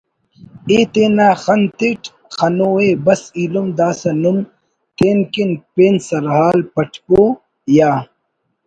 ءِ تینا خن تیٹ خنوءِ بس ایلم داسہ نم تین کن پین سرحال پٹبو یا